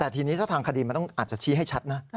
แต่ทีนี้ถ้าทางคดีมันอาจจะชี้ให้ชัดนะ